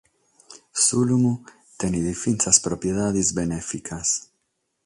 S'ùlumu tenet fintzas propiedades benèficas.